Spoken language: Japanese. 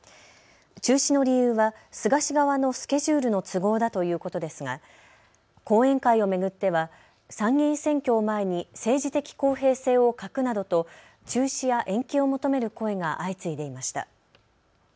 中止の理由は菅氏側のスケジュールの都合だということですが講演会を巡っては参議院選挙を前に政治的公平性を欠くなどと中止や延期を求める声が相次いでいました。